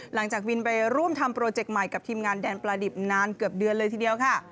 หลังจากวินไปร่วมทำโปรเจกต์ใหม่กับทีมงานแดนปลาดิบนานเกือบเดือนเลยทีเดียวค่ะ